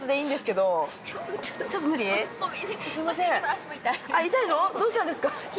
どうしたんですか？